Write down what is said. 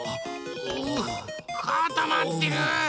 うかたまってる。